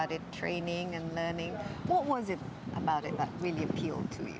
kadang lebih lama